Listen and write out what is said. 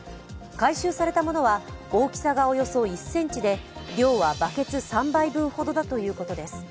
回収されたものは大きさがおよそ１ｃｍで量はバケツ３杯分ほどだということです。